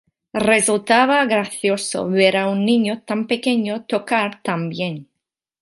Resultaba gracioso ver a un niño tan pequeño tocar tan bien.